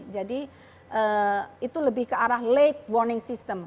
itu lebih ke arah late warning system